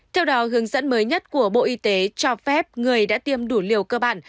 theo đó hướng dẫn mới nhất của bộ y tế cho phép người đã tiêm đủ liều cơ bản